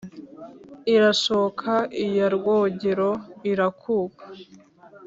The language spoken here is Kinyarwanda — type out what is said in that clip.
irashoka iya rwógéro irakuka